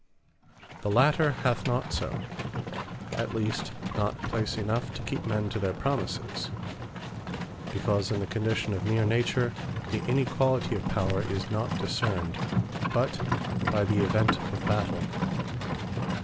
The later hath not so; at least not place enough, to keep men to their promises; because in the condition of meer Nature, the inequality of Power is not discerned, but by the event of Battell.